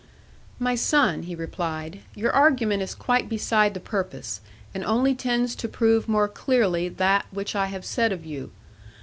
'My son,' he replied, 'your argument is quite beside the purpose, and only tends to prove more clearly that which I have said of you.